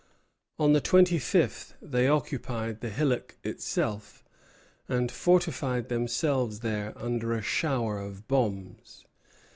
On the twenty fifth they occupied the hillock itself, and fortified themselves there under a shower of bombs.